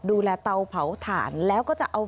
เตาเผาถ่านแล้วก็จะเอา